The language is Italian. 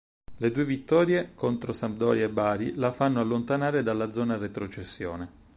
Le due vittorie contro Sampdoria e Bari la fanno allontanare dalla zona retrocessione.